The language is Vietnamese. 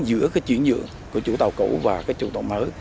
giữa chuyển nhượng của chủ tàu cũ và chủ tàu mới